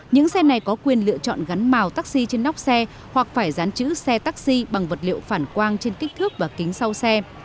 những xe này có quyền lựa chọn gắn màu taxi trên nóc xe hoặc phải dán chữ xe taxi bằng vật liệu phản quang trên kích thước và kính sau xe